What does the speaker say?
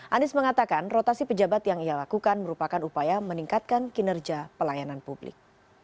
anies mengatakan rotasi pejabat yang ia lakukan merupakan upaya meningkatkan kinerja pelayanan publik